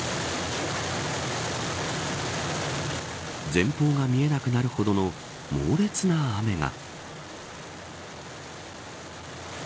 前方が見えなくなるほどの猛烈な雨が。